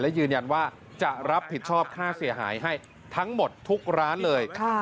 และยืนยันว่าจะรับผิดชอบค่าเสียหายให้ทั้งหมดทุกร้านเลย